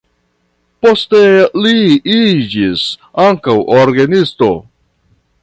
Poste li iĝis ankaŭ orgenisto.